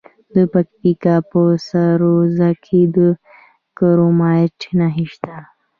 د پکتیکا په سروضه کې د کرومایټ نښې شته.